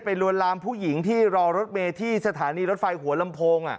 ลวนลามผู้หญิงที่รอรถเมย์ที่สถานีรถไฟหัวลำโพง